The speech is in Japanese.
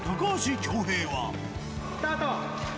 スタート。